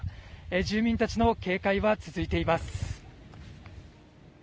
住民たちの警戒は続いています。